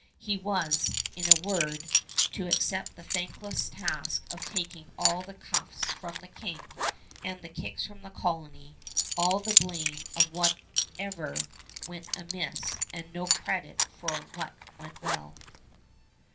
He was, in a word, to accept the thankless task of taking all the cuffs from the King and the kicks from the colony, all the blame of whatever went amiss and no credit for what went well.